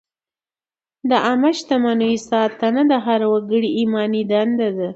د عامه شتمنیو ساتنه د هر وګړي ایماني دنده ده.